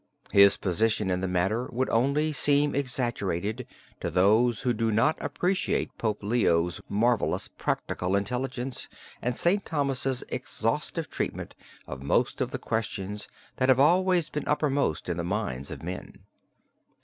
His position in the matter would only seem exaggerated to those who do not appreciate Pope Leo's marvelous practical intelligence, and Saint Thomas's exhaustive treatment of most of the questions that have always been uppermost in the minds of men.